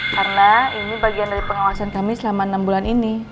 karena ini bagian dari pengawasan kami selama enam bulan ini